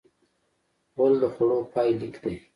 غول د خوړو پای لیک دی.